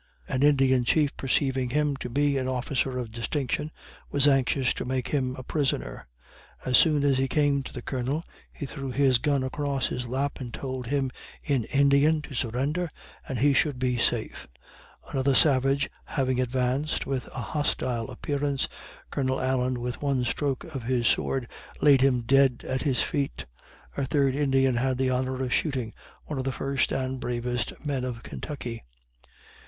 An Indian Chief perceiving him to be an officer of distinction, was anxious to make him a prisoner. As soon as he came to the Colonel, he threw his gun across his lap and told him in Indian to surrender and he should be safe. Another savage having advanced with a hostile appearance, Colonel Allen, with one stroke of his sword, laid him dead at his feet. A third Indian had the honor of shooting one of the first and bravest men of Kentucky.